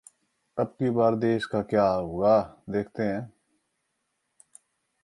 iChowk: अबकी बार BJP सरकार - ये है प्लान